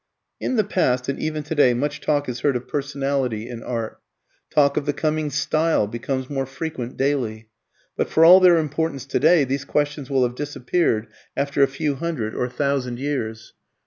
In the past and even today much talk is heard of "personality" in art. Talk of the coming "style" becomes more frequent daily. But for all their importance today, these questions will have disappeared after a few hundred or thousand years.